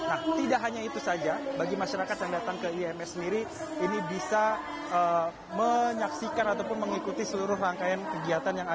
nah tidak hanya itu saja bagi masyarakat yang datang ke iims sendiri ini bisa menyaksikan ataupun mengikuti menjaga kepentingan dan menjaga kepentingan